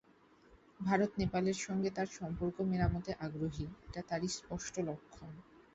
ভারত নেপালের সঙ্গে তার সম্পর্ক মেরামতে আগ্রহী, এটা তারই স্পষ্ট লক্ষণ।